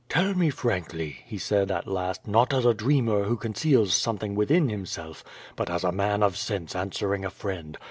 "Tell me frankly," he said, at last, "not as a dreamer who conceals something within himself, but as a man of sense answering a friend.